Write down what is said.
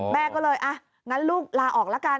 แม่ก็เลยอ่ะงั้นลูกลาออกละกัน